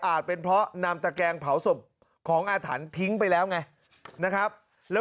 อาจเป็นเพราะนำตะแกงเผาศพของอถันทิ้งไปแล้วไง